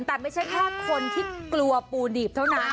แต่ไม่ใช่แค่คนที่กลัวปูดีบเท่านั้น